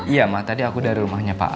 iya mah tadi aku dari rumahnya pak